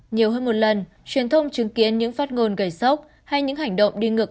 nhiều hơn một lần truyền thông chứng kiến những phát ngôn gầy sóc hay những hành động đi ngược